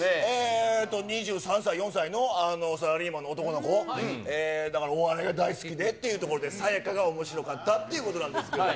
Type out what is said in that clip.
２３歳、４歳のサラリーマンの男の子、だからお笑いが大好きでってことで、さや香がおもしろかったっていうところなんですけれども。